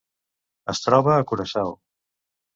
Es troba a Curaçao.